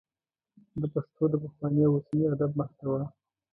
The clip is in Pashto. د پښتو د پخواني او اوسني ادب محتوا